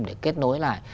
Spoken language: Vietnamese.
để kết nối lại